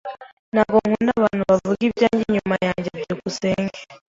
Ntabwo nkunda abantu bavuga ibyanjye inyuma yanjye. byukusenge